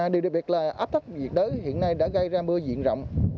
điều đặc biệt là áp thắt diệt đới hiện nay đã gây ra mưa diện rộng